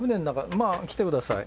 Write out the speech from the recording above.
まあ、来てください。